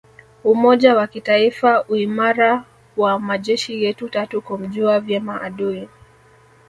Umoja wa kitaifa uimara wa majeshi yetu tatu kumjua vyema adui